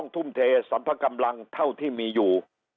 ต้องทุ่มเทสันตะกำรังเท่าที่มีอยู่